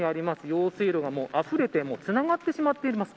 用水路があふれてつながってしまっています。